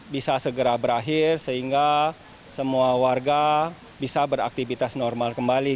bisa segera berakhir sehingga semua warga bisa beraktivitas normal kembali